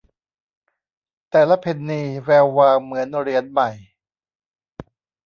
แต่ละเพนนีแวววาวเหมือนเหรียญใหม่